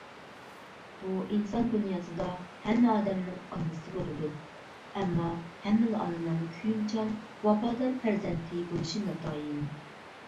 بۇ ئىنسان دۇنياسىدا ھەممە ئادەمنىڭ ئانىسى بولىدۇ ئەمما ھەممىلا ئانىنىڭ، كۆيۈمچان، ۋاپادار پەرزەنتى بولۇشى ناتايىن.